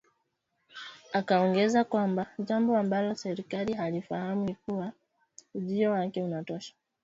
Akaongeza kwamba jambo ambalo serikali hailifahamu ni kuwa ujio wake unatosha